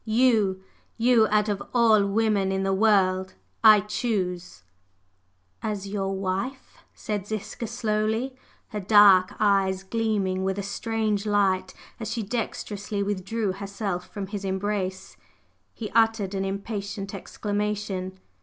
You you, out of all women in the world, I choose …" "As your wife?" said Ziska slowly, her dark eyes gleaming with a strange light as she dexterously withdrew herself from his embrace. He uttered an impatient exclamation.